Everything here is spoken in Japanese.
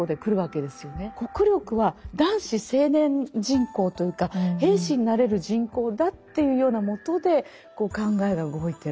国力は男子青年人口というか兵士になれる人口だっていうようなもとで考えが動いてる。